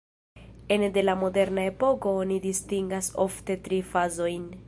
Ene de la moderna epoko oni distingas ofte tri fazojn.